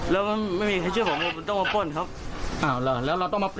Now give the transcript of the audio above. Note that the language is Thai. แล้วมันไม่มีใครช่วยผมต้องมาปล้นครับอ๋อแล้วเราต้องมา